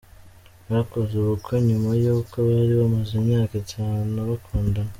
Bakoze ubukwe nyuma y’uko bari bamaze imyaka itanu bakundana.